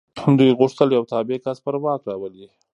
دوی غوښتل یو تابع کس پر واک راولي.